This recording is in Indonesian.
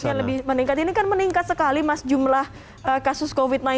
kasusnya lebih meningkat ini kan meningkat sekali mas jumlah kasus covid sembilan belas